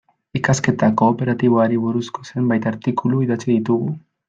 Ikasketa kooperatiboari buruzko zenbait artikulu idatzi ditugu.